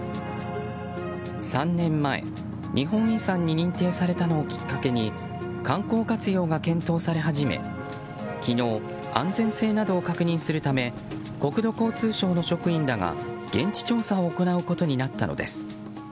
３年前、日本遺産に認定されたのをきっかけに観光活用が検討され始め昨日、安全性などを確認するため国土交通省の職員らが現地調査を行うことになったのです。